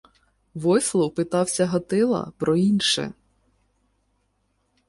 Войслав питався Гатила про інше: